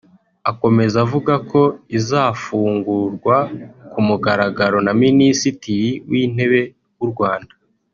Akomeza avuga ko izafungurwa ku mugaragaro na Minisitiri w’Intebe w’u Rwanda